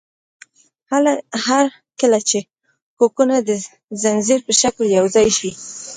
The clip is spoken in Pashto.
هر کله چې کوکونه د ځنځیر په شکل یوځای شي.